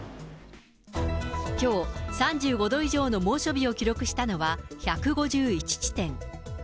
きょう、３５度以上の猛暑日を記録したのは１５１地点。